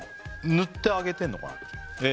塗って揚げてんのかなえ